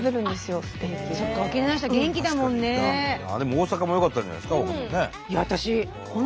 大阪もよかったんじゃないですか？